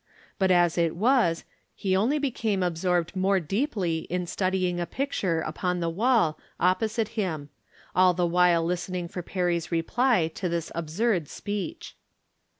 But as it was, he only became absorbed more deeply in studying a picture upon the wall opposite Mm, all the while listening for Perry's replj'' to this absurd speech.